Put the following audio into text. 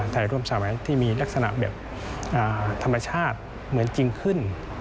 ไทยร่วมสมัยที่มีลักษณะแบบธรรมชาติเหมือนจริงขึ้น